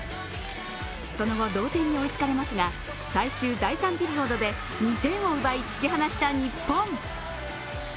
その後、同点に追いつかれますが、最終第３ピリオドで２点を奪い突き放した日本。